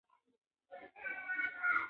باد د نیالګیو شاخهګان خوځوي